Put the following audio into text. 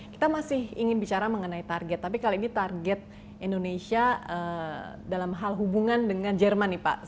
kita masih ingin bicara mengenai target tapi kali ini target indonesia dalam hal hubungan dengan jerman nih pak